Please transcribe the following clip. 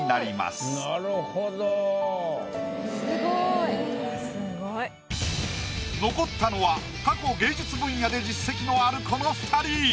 すごい。残ったのは過去芸術分野で実績のあるこの２人。